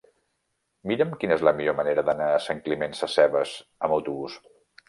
Mira'm quina és la millor manera d'anar a Sant Climent Sescebes amb autobús.